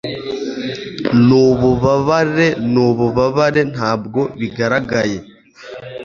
nububabare nububabare ntabwo bigaragaye